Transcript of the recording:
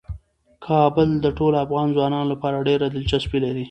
کابل د ټولو افغان ځوانانو لپاره ډیره دلچسپي لري.